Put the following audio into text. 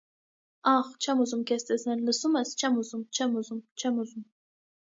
- Ա՛խ, չեմ ուզում քեզ տեսնել, լսո՞ւմ ես, չե՛մ ուզում, չե՛մ ուզում, չե՛մ ուզում…